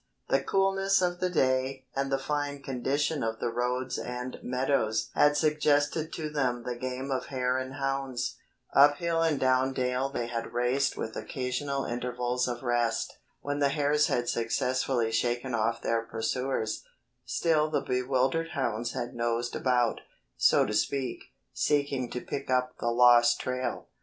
The coolness of the day and the fine condition of the roads and meadows had suggested to them the game of Hare and Hounds. Up hill and down dale they had raced with occasional intervals of rest. When the hares had successfully shaken off their pursuers, still the bewildered hounds had nosed about, so to speak, seeking to pick up the lost trail.